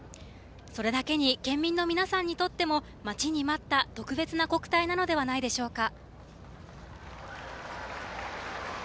それだけに県民の皆さんにとっても待ちに待った特別な国体なのではないでしょうか。